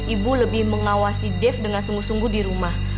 ibu lebih mengawasi dave dengan sungguh sungguh di rumah